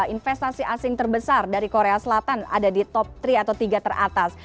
investasi asing terbesar dari korea selatan ada di top tiga atau tiga teratas